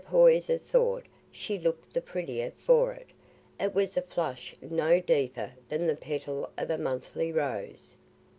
Poyser thought she looked the prettier for it: it was a flush no deeper than the petal of a monthly rose.